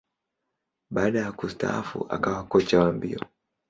Baada ya kustaafu, akawa kocha wa mbio.